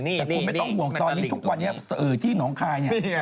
แต่คุณไม่ต้องห่วงตอนนี้ทุกวันนี้ที่หนองคายเนี่ย